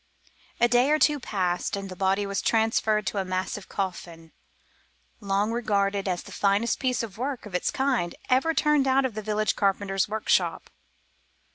A day or two passed, and the body was transferred to a massive coffin long regarded as the finest piece of work of its kind ever turned out of the village carpenter's workshop.